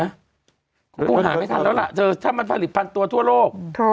คุณหาไม่ทันแล้วล่ะเธอถ้ามันผลิตพันตัวทั่วโลก